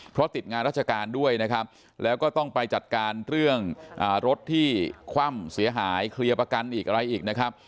เพราะติดงานราชการด้วยนะครับแล้วก็ต้องไปจัดการเรื่องรถที่คว่ำเสียหายเคลียร์ประกันอีกอะไรอีกนะครับ